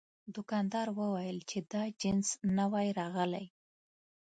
دوکاندار وویل چې دا جنس نوی راغلی.